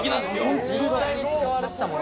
本当だ・実際に使われてたもの